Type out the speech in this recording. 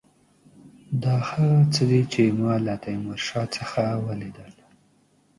دا هغه څه دي چې ما له تیمورشاه څخه ولیدل.